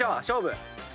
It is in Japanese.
勝負！